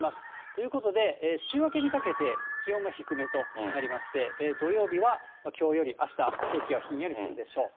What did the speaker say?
ということで、週明けにかけて、気温が低めとなりまして、土曜日はきょうよりあした、空気はひんやりするでしょう。